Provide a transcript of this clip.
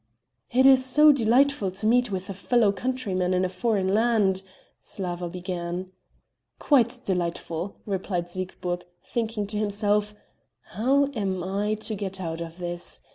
"It is so delightful to meet with a fellow countryman in a foreign land...." Slawa began. "Quite delightful," replied Siegburg, thinking to himself: "How am I to get out of this?"